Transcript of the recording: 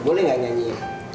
boleh nggak nyanyiin